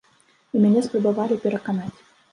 І мяне спрабавалі пераканаць.